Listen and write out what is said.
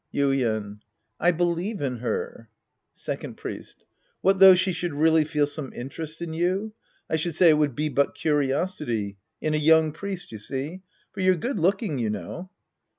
Yuien. I believe in her. Second FHest. What though she should really feel some interest in you ? I should say it would be but curiosity. In a young priest, you see. For you're good looking, you know.